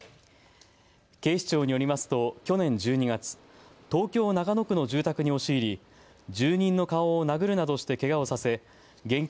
警視庁によりますと去年１２月、東京中野区の住宅に押し入り住人の顔を殴るなどしてけがをさせ現金